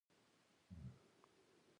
دا توپیر د ډیرو برخو پوری غځیدلی دی.